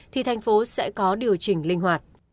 thì thành phố sẽ có điều chỉnh linh hoạt